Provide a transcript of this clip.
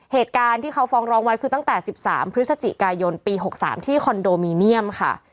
เหตุการณ์ที่เขาฟ้องร้องไว้คือตั้งแต่๑๓พฤศจิกายนปี๖๓ที่คอนโดมิเนียมค่ะ